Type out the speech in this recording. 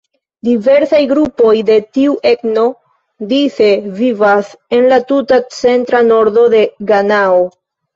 Diversaj grupoj de tiu etno dise vivas en la tuta centra nordo de Ganao.